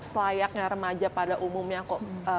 selayaknya remaja pada umumnya kok